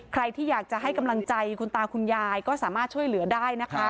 ใครที่อยากจะให้กำลังใจคุณตาคุณยายก็สามารถช่วยเหลือได้นะคะ